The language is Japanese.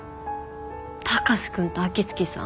貴司君と秋月さん